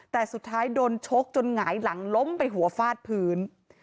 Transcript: แต่สุดท้ายโดนชกจนหงายหลังล้มไปหัวฟาดพื้น